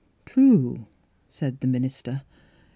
" True," said the minister.